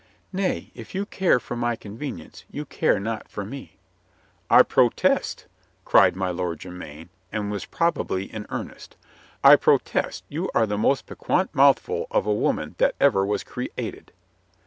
"Nay, if you care for my convenience, you care not for me." "I protest!" cried my Lord Jermyn, and was prob ably in earnest, "I protest you are the most piquant mouthful of a woman that ever was created